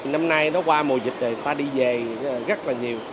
năm nay nó qua mùa dịch rồi ta đi về rất là nhiều